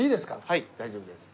はい大丈夫です。